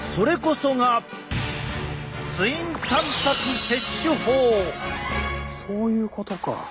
それこそがそういうことか！